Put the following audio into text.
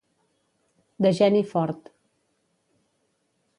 De geni fort.